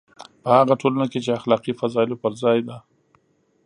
په هغه ټولنه کې چې اخلاقي فضایلو پر ځای ده.